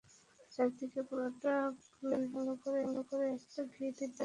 চারদিকে পুরাটা ঘুরিয়ে ভালো করে একটা গিট দিলেই হয়ে যায় সারাদিনের জন্য কাজ শেষ।